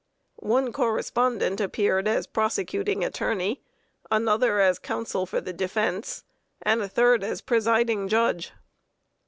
One correspondent appeared as prosecuting attorney, another as counsel for the defense, and a third as presiding judge.